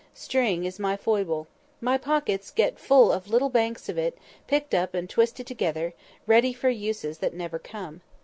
String is my foible. My pockets get full of little hanks of it, picked up and twisted together, ready for uses that never come.